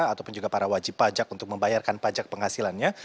ataupun juga para wajib pajak untuk membayarkan pajak penghasilannya